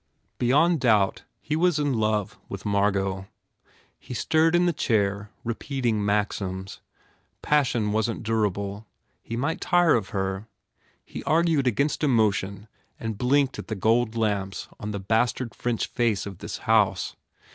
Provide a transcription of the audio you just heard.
Beyond doubt he was in love with Margot. He stirred in the chair, repeating maxims. Passion wasn t durable. He might tire of her. He ar gued against emotion and blinked at the gold lamps on the bastard French face of this house.